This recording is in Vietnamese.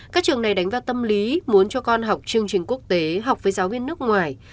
các trường này đánh vào tâm lý muốn cho con học chương trình quốc tế học với giáo viên nước ngoài